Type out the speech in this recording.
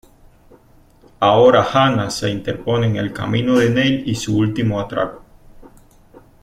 Ahora Hanna se interpone en el camino de Neil y su último atraco.